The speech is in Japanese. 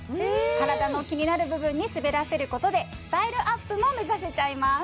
体の気になる部分に滑らせることでスタイルアップも目指せちゃいます